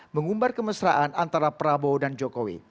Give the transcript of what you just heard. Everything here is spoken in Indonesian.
mengumbar kemesraan antara prabowo dan jokowi